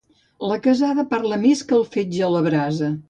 La casada parla més que fetge a la brasa.